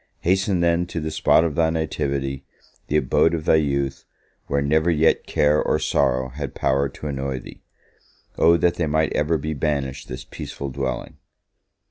Hasten, then, to the spot of thy nativity, the abode of thy youth, where never yet care or sorrow had power to annoy thee. O that they might ever be banished this peaceful dwelling!